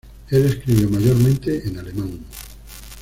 Él escribió mayormente en alemán.